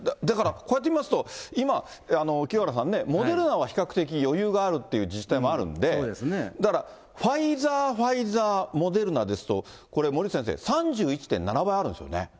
だからこうやって見ますと、今、清原さんね、モデルナは比較的余裕があるという自治体もあるんで、だからファイザー、ファイザー、モデルナですと、これ、森内先生、３１．７倍あるんですよね。